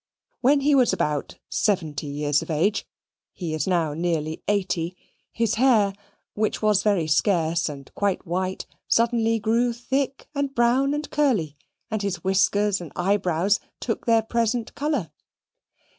When he was about seventy years of age (he is now nearly eighty), his hair, which was very scarce and quite white, suddenly grew thick, and brown, and curly, and his whiskers and eyebrows took their present colour.